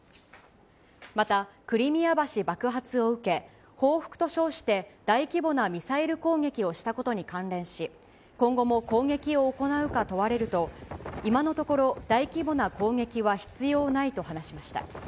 またクリミア橋爆発を受け、報復と称して大規模なミサイル攻撃をしたことに関連し、今後も攻撃を行うか問われると、今のところ大規模な攻撃は必要ないと話しました。